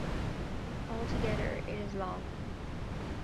All together, it is long.